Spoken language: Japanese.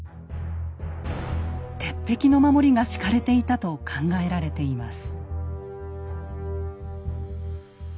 鉄壁の守りが敷かれていたと考えられています。